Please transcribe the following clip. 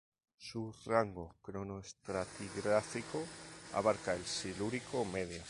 Su rango cronoestratigráfico abarca el Silúrico medio.